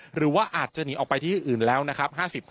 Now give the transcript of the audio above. หรือว่าอาจจะหนีออกไปที่อื่นแล้วนะครับ